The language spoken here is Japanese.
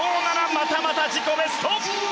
またまた自己ベスト！